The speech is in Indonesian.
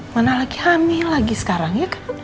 mana lagi hamil lagi sekarang ya